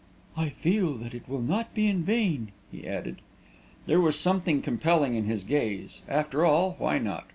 "I feel that it will not be in vain!" he added. There was something compelling in his gaze. After all, why not?